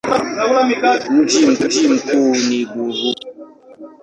Mji mkuu ni Bururi.